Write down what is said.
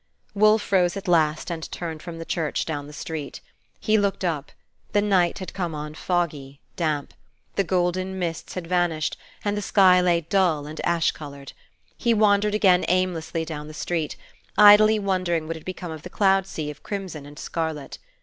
Wolfe rose at last, and turned from the church down the street. He looked up; the night had come on foggy, damp; the golden mists had vanished, and the sky lay dull and ash colored. He wandered again aimlessly down the street, idly wondering what had become of the cloud sea of crimson and scarlet.